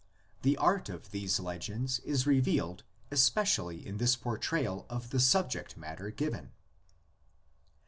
The art of these legends is revealed especially in this portrayal of the subject matter given.